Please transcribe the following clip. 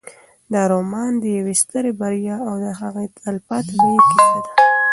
دا رومان د یوې سترې بریا او د هغې د تلپاتې بیې کیسه ده.